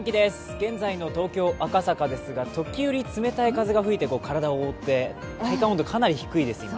現在の東京・赤坂ですが、時折、冷たい風が吹いて体を覆って体感温度がかなり低いです、今。